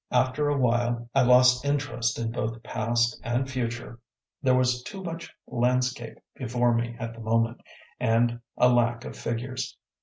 But after a while I lost interest in both past and future; there was too much landscape before me at the moment, and a lack of figures.